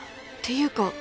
っていうか